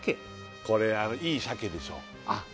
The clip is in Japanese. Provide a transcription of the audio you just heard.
これはいい鮭でしょ